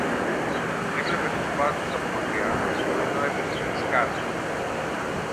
έβλεπε τους μπάτσους από μακριά ενώ έπαιζε με τις κάρτες του.